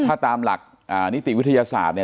ถ้าตามหลักนิติวิทยาศาสตร์เนี่ย